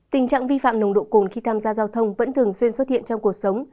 tình trạng vi phạm nồng độ cồn khi tham gia giao thông vẫn thường xuyên xuất hiện trong cuộc sống